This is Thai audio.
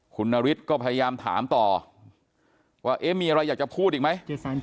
คุณนฤทธิ์ก็พยายามถามต่อว่ามีอะไรอยากจะพูดอีกไหม